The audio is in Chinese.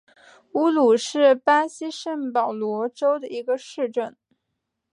乌鲁是巴西圣保罗州的一个市镇。